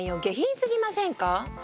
下品すぎませんか？